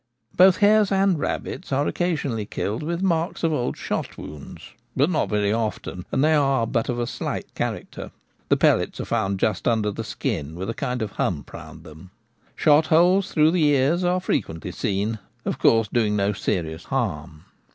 Both hares and rabbits are occasionally killed with marks of old shot wounds, but not very often, and they are but of a slight character — the pellets are found just under the skin, with a kind of lump round them. Shot holes through the ears are frequently seen, of course doing no serious harm.